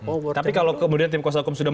oh tapi kalau kemudian tim kuasa hukum sudah